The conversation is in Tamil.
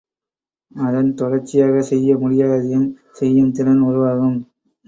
அதன் தொடர்ச்சியாகச் செய்ய முடியாததையும் செய்யும் திறன் உருவாகும்.